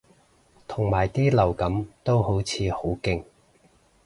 同埋啲流感都好似好勁